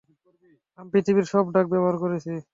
আমি পৃথিবীর সব ড্রাগ ব্যবহার করেছি।